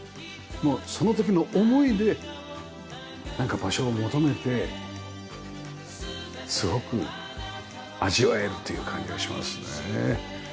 もうその時の思いでなんか場所を求めてすごく味わえるという感じがしますねえ。